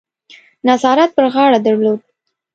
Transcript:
نظارت پر غاړه درلود.